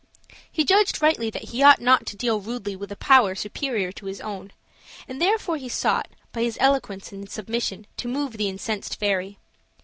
He judged rightly that he ought not to deal rudely with a power superior to his own, and therefore he sought, by his eloquence and submission, to move the incensed fairy.